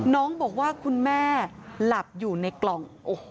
น้องบอกว่าคุณแม่หลับอยู่ในกล่อง